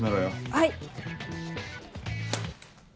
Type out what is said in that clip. はい。